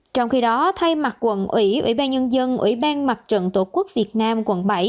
trong khi đó thay mặt quận ủy ủy ban nhân dân ủy ban mặt trận tổ quốc việt nam quận bảy